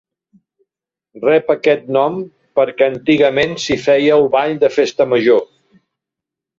Rep aquest nom perquè antigament s'hi feia el ball de Festa Major.